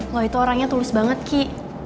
lo itu orangnya tulus banget ki